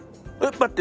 待って。